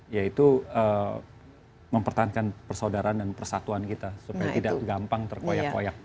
yaitu mempertahankan persaudaraan dan persatuan kita supaya tidak gampang terkoyak koyak